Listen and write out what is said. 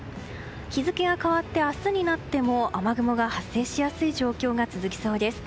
日付が変わって、明日になっても雨雲が発生しやすい状況が続きそうです。